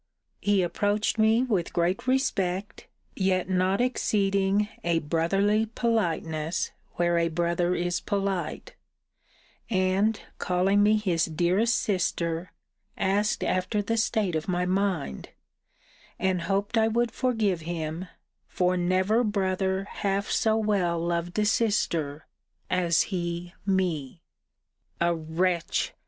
He approached me with great respect, yet not exceeding a brotherly politeness, where a brother is polite; and, calling me his dearest sister, asked after the state of my mind; and hoped I would forgive him; for never brother half so well loved a sister, as he me. A wretch!